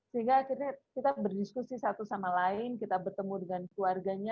sehingga akhirnya kita berdiskusi satu sama lain kita bertemu dengan keluarganya